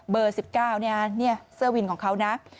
เบอร์๑๙เสื้อวินของเขานะ